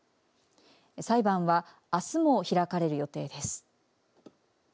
裁判はあすも開かれる予定です。